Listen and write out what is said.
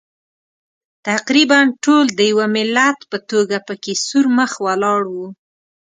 تقریباً ټول د یوه ملت په توګه پکې سور مخ ولاړ وو.